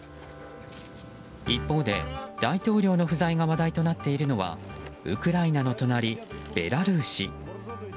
一方で、大統領の不在が話題となっているのはウクライナの隣、ベラルーシ。